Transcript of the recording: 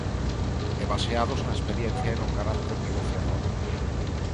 E baseados na experiencia e no carácter negociador.